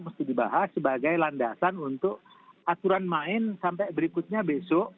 mesti dibahas sebagai landasan untuk aturan main sampai berikutnya besok